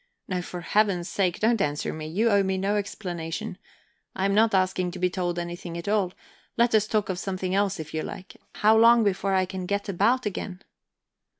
No, for Heaven's sake don't answer me. You owe me no explanation, I am not asking to be told anything at all let us talk of something else if you like. How long before I can get about again?"